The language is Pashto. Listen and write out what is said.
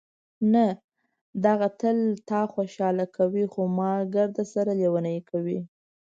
نه، دغه تل تا خوشحاله کوي، خو ما ګردسره لېونۍ کوي.